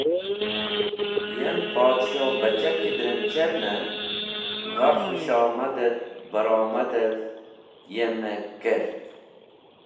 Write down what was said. Yem Podhshohbachah ki drem cherne, gha khũshomad et baromadev yem e kert.